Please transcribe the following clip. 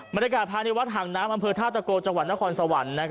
บรรยากาศภาในวัดห่างน้ำบธาตุโกจนครสวรรค์